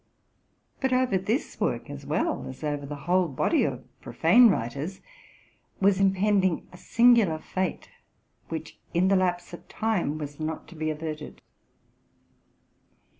But over this work, as well as over the whole body of pro fane writers, was impending a singular fate, which, in the lapse of time, was not to be averted.